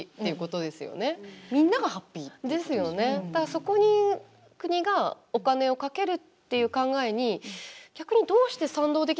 そこに国がお金をかけるっていう考えに逆にどうして賛同できないのかなって